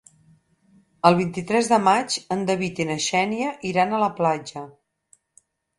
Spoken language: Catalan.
El vint-i-tres de maig en David i na Xènia iran a la platja.